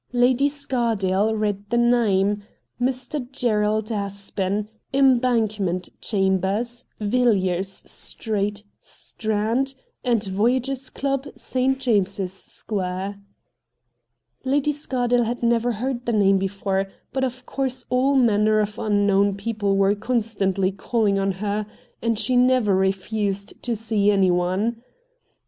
Lady THE CULTURE COLLEGE 179 Scardale read the name, ' Mr. Gerald Aspen, Embankment Chambers, Yilliers Street, Strand, and Voyagers' Club, St. James's Square.' Lady Scardale had never heard the name before, but of course all manner of unknown people were constantly calling on her, and she never refused to see anyone.